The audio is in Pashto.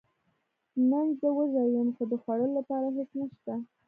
زه نن وږی یم، خو د خوړلو لپاره هیڅ نشته